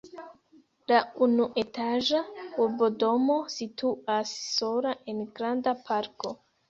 La unuetaĝa urbodomo situas sola en granda parko.